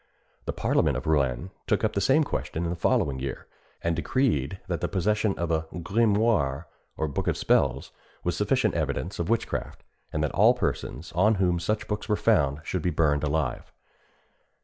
The parliament of Rouen took up the same question in the following year, and decreed that the possession of a grimoire, or book of spells, was sufficient evidence of witchcraft, and that all persons on whom such books were found should be burned alive.